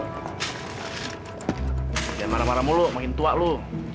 jangan marah marah mulu makin tua loh